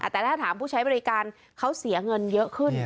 แต่ถ้าถามผู้ใช้บริการเขาเสียเงินเยอะขึ้น